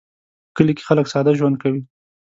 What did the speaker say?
په کلي کې خلک ساده ژوند کوي